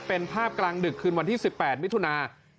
เป็นภาพกลางดึกคืนวันที่๑๘มิถุนา